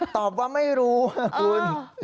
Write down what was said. ตอบว่าไม่รู้คุณ